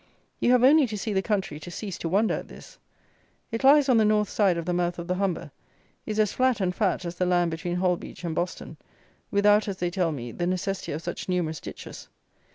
You have only to see the country to cease to wonder at this. It lies on the north side of the mouth of the Humber; is as flat and fat as the land between Holbeach and Boston, without, as they tell me, the necessity of such numerous ditches.